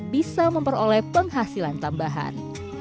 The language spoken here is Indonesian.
bisa memperoleh penghasilan tambahan